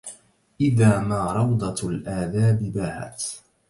إذا ما روضة الآداب باهت